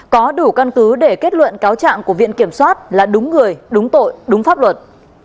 có đủ căn cứ để kết luận cáo trạng của viện kiểm soát là đúng người đúng tội đúng pháp luật